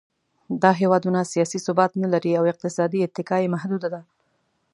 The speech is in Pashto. دا هېوادونه سیاسي ثبات نهلري او اقتصادي اتکا یې محدوده ده.